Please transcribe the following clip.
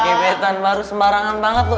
kebetulan baru sembarangan banget lo